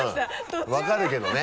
うん分かるけどね。